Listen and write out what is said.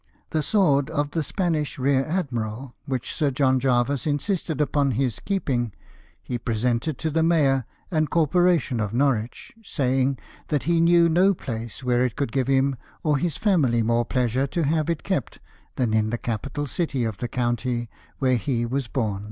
The sword of the Spanish rear admiral, which Sir John Jervis insisted upon his keeping, he presented to the Mayor and Corporation of Norwich, saying that he knew no place where it conld give him or his family more pleasure to have it kept than in the capital city of the county where he was bom.